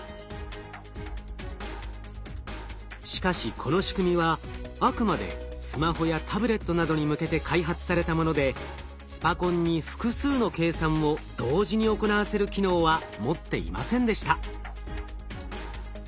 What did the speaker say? しかしこの仕組みはあくまでスマホやタブレットなどに向けて開発されたものでスパコンに複数の計算を同時に行わせる機能は持っていませんでした。